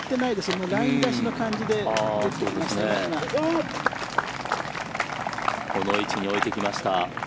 この位置に置いてきました。